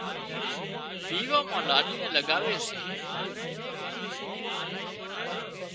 ويوان مان لاڏِي نين لڳاوي سي